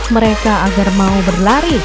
mereka agar mau berlari